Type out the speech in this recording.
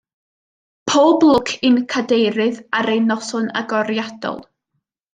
Pob lwc i'n cadeirydd ar ei noson agoriadol